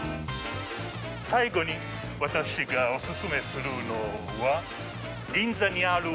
最後に私がおすすめするのは銀座にある。